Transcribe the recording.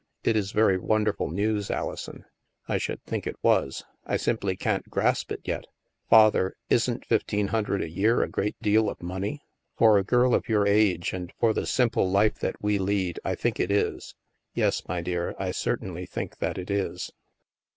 " It is very wonderful news, Alison/' " I should think it was. I simply can't grasp it yet. Father, isn't fifteen hundred a year a great deal of money." " For a girl of your age and for the simple life that we lead, I think it is. Yes, my dear, I cer tainly think that it is."